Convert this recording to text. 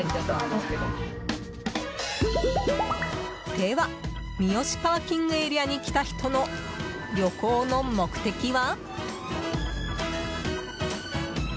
では、三芳ＰＡに来た人の旅行の目的は？